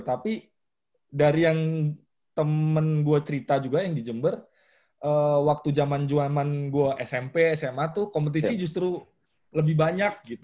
tapi dari yang temen gue cerita juga yang di jember waktu zaman zaman gue smp sma tuh kompetisi justru lebih banyak gitu